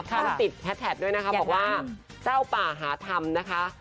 ต้องติดแฮสแท็กด้วยนะคะบอกว่าเจ้าป่าหาธรรมนะคะ